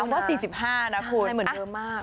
ไม่รู้นะเพราะว่า๔๕นะพูด